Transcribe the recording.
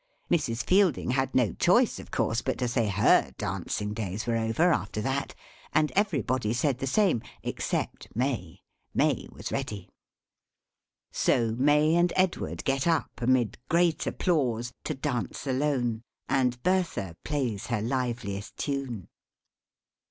Mrs. Fielding had no choice, of course, but to say her dancing days were over, after that; and everybody said the same, except May; May was ready. So, May and Edward get up, amid great applause, to dance alone; and Bertha plays her liveliest tune.